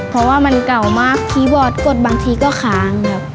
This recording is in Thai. เพราะว่ามันเก่ามากคีย์บอร์ดกดบางทีก็ค้างครับ